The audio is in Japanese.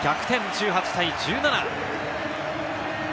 １８対１７。